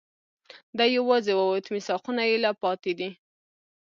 دی یواځي ووت، میثاقونه یې لا پاتې دي